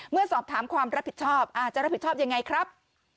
เมื่อสอบถามความรับผิดชอบจะรับผิดชอบยังไงครับ